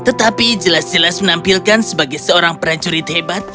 tetapi jelas jelas menampilkan sebagai seorang prajurit hebat